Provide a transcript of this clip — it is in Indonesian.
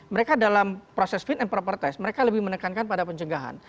mereka dalam proses fit and proper test mereka lebih menekankan pada pencegahan